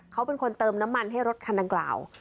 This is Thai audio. เขาเป็นคนเติมน้ำมันให้รถคันดังกล่าว